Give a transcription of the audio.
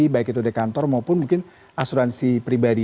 baik itu di kantor maupun mungkin asuransi pribadi